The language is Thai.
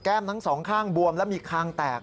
ทั้งสองข้างบวมและมีคางแตก